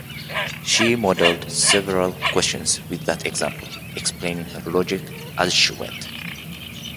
She modeled several questions with that example, explaining her logic as she went.